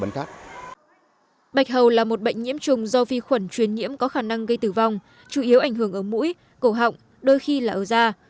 bạch hầu là một bệnh nhiễm trùng do vi khuẩn truyền nhiễm có khả năng gây tử vong chủ yếu ảnh hưởng ở mũi cổ họng đôi khi là ở da